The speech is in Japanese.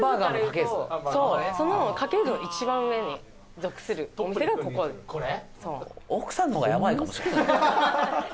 系付図からいうとその家系図の一番上に属するお店がこここれ？